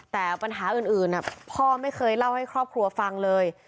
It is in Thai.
แต่ปัญหาอื่นพ่อไม่เคยเล่าให้ครอบครัวฟังเลย